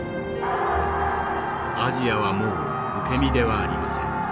「アジアはもう受け身ではありません。